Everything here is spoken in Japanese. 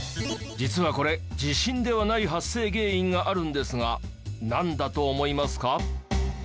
実はこれ地震ではない発生原因があるんですがなんだと思いますか？